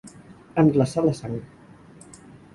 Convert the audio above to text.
Em glaçà la sang.